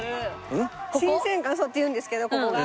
新鮮館っていうんですけどここが。